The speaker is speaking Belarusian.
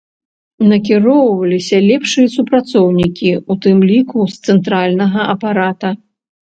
Накіроўваліся лепшыя супрацоўнікі, у тым ліку з цэнтральнага апарата.